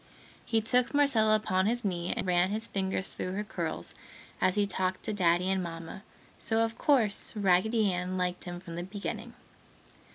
He took Marcella upon his knee and ran his fingers through her curls as he talked to Daddy and Mamma, so, of course, Raggedy Ann liked him from the beginning.